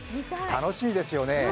楽しみですよね。